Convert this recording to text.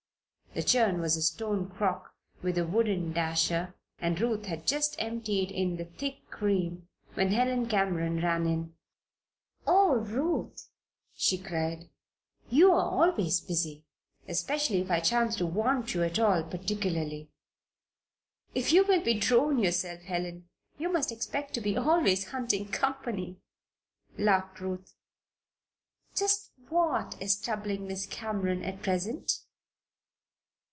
The churn was a stone crock with a wooden dasher and Ruth had just emptied in the thick cream when Helen Cameron ran in. "Oh, Ruth!" she cried. "You're always busy especially if I chance to want you at all particularly." "If you will be a drone yourself, Helen, you must expect to be always hunting company," laughed Ruth. "Just what is troubling Miss Cameron at present?"